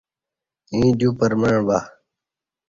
ییں دیو پرمع بہ